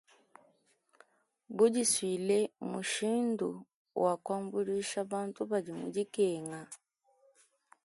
Budisuile mmushindu wa kuambuluisha bantu badi mu dikenga.